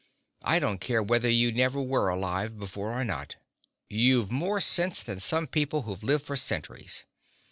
"I don't care whether you never were alive before or not, you've more sense than some people who've lived for centuries.